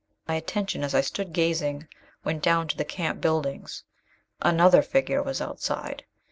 My attention, as I stood gazing, went down to the camp buildings. Another figure was outside!